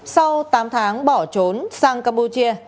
sau tám tháng bỏ trốn sang campuchia